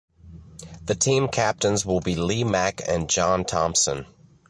The team captains will be Lee Mack and John Thomson.